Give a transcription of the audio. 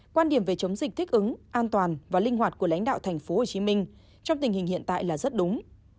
quan điểm về chống dịch thích ứng an toàn và linh hoạt của lãnh đạo tp hcm trong tình hình hiện tại là rất đúng